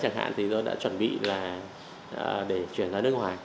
chẳng hạn thì tôi đã chuẩn bị là để chuyển ra nước ngoài